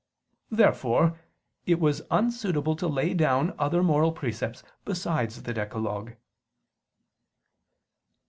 Therefore it was unsuitable to lay down other moral precepts besides the decalogue.